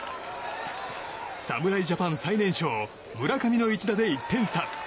侍ジャパン最年少村上の一打で１点差。